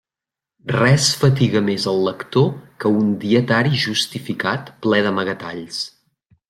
Res fatiga més el lector que un dietari justificat, ple d'amagatalls.